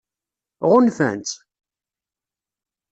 Ɣunfan-tt?